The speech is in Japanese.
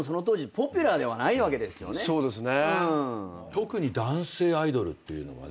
特に男性アイドルっていうのはね。